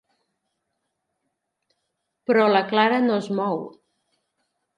Però la Clara no es mou.